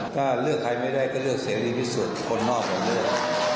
ถ้าเลือกใครไม่ได้ก็เลือกเซลลี่พิสูจน์คนนอกกันเลือก